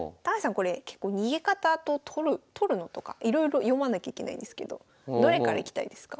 これ結構逃げ方と取るのとかいろいろ読まなきゃいけないんですけどどれからいきたいですか？